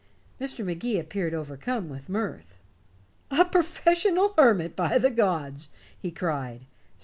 Mr. Magee appeared overcome with mirth. "A professional hermit, by the gods!" he cried.